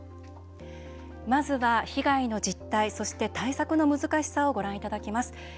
まずは被害の実態そして、対策の難しさをご覧いただきます。